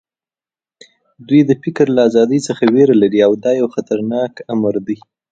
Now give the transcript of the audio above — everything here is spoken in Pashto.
دوی د فکر له ازادۍ څخه وېره لري او دا یو خطرناک امر دی